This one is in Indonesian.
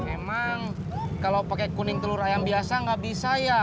emang kalau pakai kuning telur ayam biasa nggak bisa ya